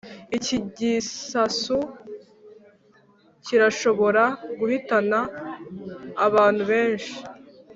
iki gisasu kirashobora guhitana abantu benshi.